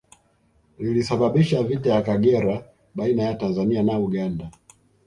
Lilisababisha vita ya Kagera baina ya Tanzania na Uganda